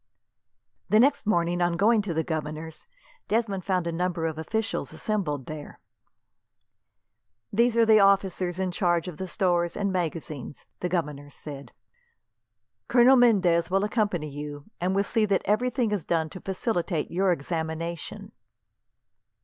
The next morning, on going to the governor's, Desmond found a number of officials assembled there. "These are the officers in charge of the stores and magazines," the governor said. "Colonel Mendez will accompany you, and will see that everything is done to facilitate your examination."